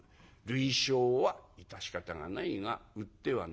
類焼は致し方がないが売ってはならんぞ」。